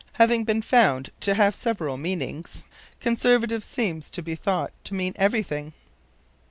Having been found to have several meanings, conservative seems to be thought to mean everything.